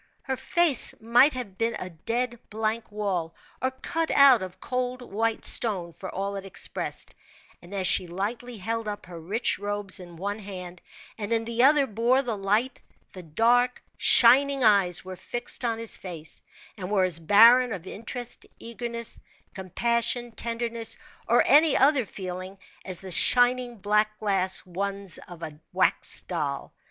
Her face might have been a dead, blank wall, or cut out of cold, white stone, for all it expressed; and as she lightly held up her rich robes in one hand, and in the other bore the light, the dark, shining eyes were fixed on his face, and were as barren of interest, eagerness, compassion, tenderness, or any other feeling, as the shining, black glass ones of a wax doll.